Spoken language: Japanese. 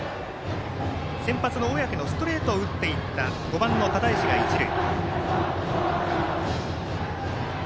先発の小宅のストレートを打っていった５番の只石が一塁。